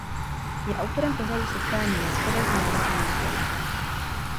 Je autorem pořadu "Setkání na schodech" v Národním muzeu.